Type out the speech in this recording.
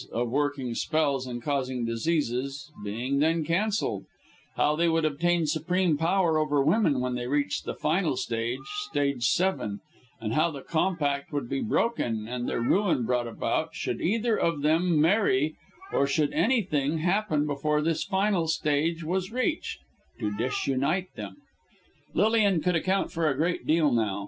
_ of working spells and causing diseases, being then cancelled; how they would obtain supreme power over women when they reached the final stage stage seven; and how the compact would be broken and their ruin brought about, should either of them marry, or should anything happen before this final stage was reached, to disunite them. Lilian could account for a great deal now.